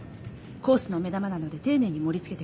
コースの目玉なので丁寧に盛り付けてください。